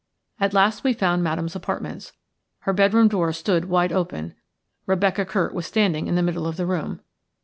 At last we found Madame's apartments. Her bedroom door stood wide open. Rebecca Curt was standing in the middle of the room.